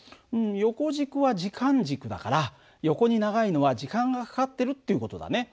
横軸は時間軸だから横に長いのは時間がかかってるっていう事だね。